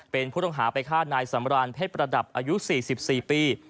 เป็นผู้ต้องหาไปฆ่านายสำรานเพชรประดับอายุ๔๔ปี